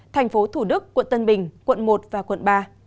thành phố thủ đức quận tân bình quận một và quận ba